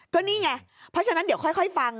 ก็นี่ไงเพราะฉะนั้นเดี๋ยวค่อยฟัง